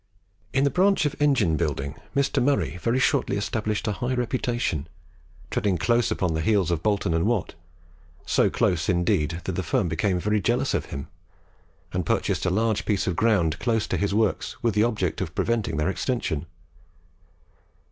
In the branch of engine building Mr. Murray very shortly established a high reputation, treading close upon the heels of Boulton and Watt so close, indeed, that that firm became very jealous of him, and purchased a large piece of ground close to his works with the object of preventing their extension.